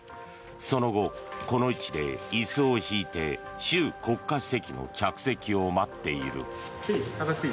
その後、この位置で椅子を引いて習国家主席の着席を待っている。